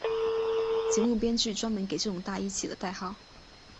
节目编剧专门给这种大衣起了代号。